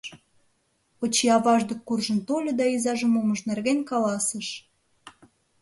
Очи аваж дек куржын тольо да изажым мумыж нерген каласыш.